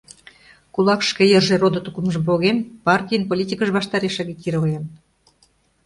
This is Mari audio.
Кулак шке йырже родо тукымжым поген, партийын политикыж ваштареш агитироваен.